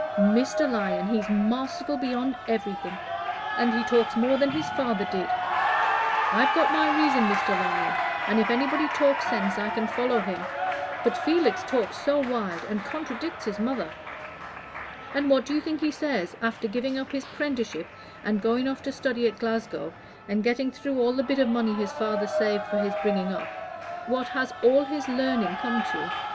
"Mr. Lyon, he's masterful beyond everything, and he talks more than his father did. I've got my reason, Mr. Lyon, and if anybody talks sense I can follow him; but Felix talks so wild, and contradicts his mother. And what do you think he says, after giving up his 'prenticeship, and going off to study at Glasgow, and getting through all the bit of money his father saved for his bringing up what has all his learning come to?